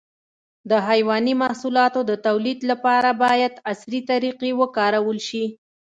د حيواني محصولاتو د تولید لپاره باید عصري طریقې وکارول شي.